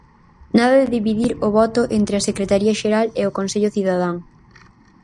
Nada de dividir o voto entre a secretaría xeral e o Consello Cidadán.